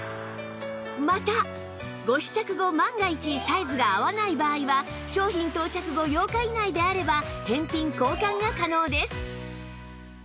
またご試着後万が一サイズが合わない場合は商品到着後８日以内であれば返品・交換が可能です